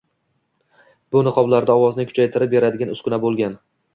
Bu niqoblarda ovozni kuchaytirib beradigan uskuna bo‘lgan.